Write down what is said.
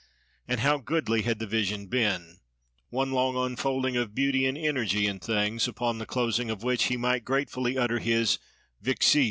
And how goodly had the vision been!—one long unfolding of beauty and energy in things, upon the closing of which he might gratefully utter his "Vixi!"